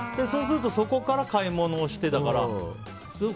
そうすると、そこから買い物をしてだから。